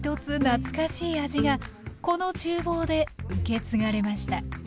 懐かしい味がこのちゅう房で受け継がれました